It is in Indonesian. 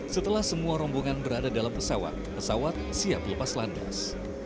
setelah semua rombongan berada dalam pesawat pesawat siap lepas landas